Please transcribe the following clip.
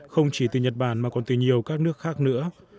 không chỉ từ nhật bản mà còn từ nhiều các nước khác nữa